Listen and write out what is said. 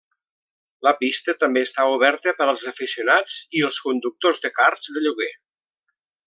La pista també està oberta per als aficionats i els conductors de karts de lloguer.